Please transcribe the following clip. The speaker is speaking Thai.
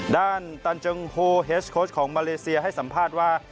ด้านตันเจิงโฮเฮสโค้ชของมาเลเซียให้สัมภาษณ์ว่า